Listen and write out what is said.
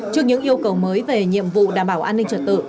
trước những yêu cầu mới về nhiệm vụ đảm bảo an ninh trật tự